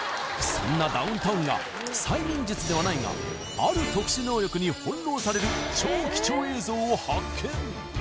そんなダウンタウンが催眠術ではないがある特殊能力に翻弄される超貴重映像を発見